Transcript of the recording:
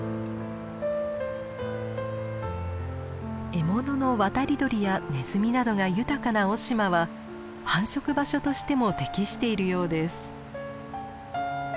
獲物の渡り鳥やネズミなどが豊かな雄島は繁殖場所としても適しているようです。